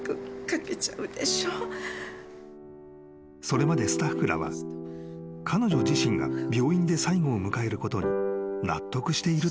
［それまでスタッフらは彼女自身が病院で最後を迎えることに納得していると思っていた］